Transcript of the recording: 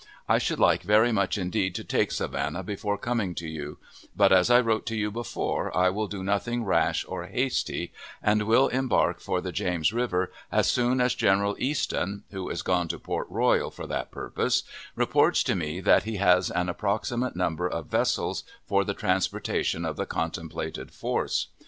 I should like very much indeed to take Savannah before coming to you; but, as I wrote to you before, I will do nothing rash or hasty, and will embark for the James River as soon as General Easton (who is gone to Port Royal for that purpose) reports to me that he has an approximate number of vessels for the transportation of the contemplated force.